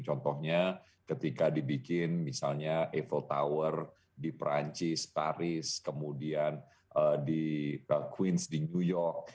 contohnya ketika dibikin misalnya eiffle tower di perancis paris kemudian di queens di new york